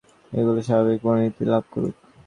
এগুলি স্বাভাবিক পরিণতি লাভ করুক।